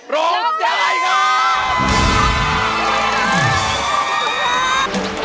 ร้องใจงาม